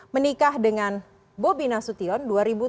menikah dengan bobi nasution dua ribu tujuh belas